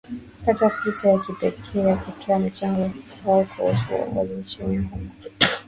pata fulsa ya kipekee ya kutoa mchango wao kuhusu uongozi nchini humo